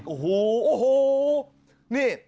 โอ้โหโอ้โห